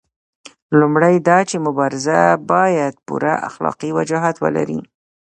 لومړی دا چې مبارزه باید پوره اخلاقي وجاهت ولري.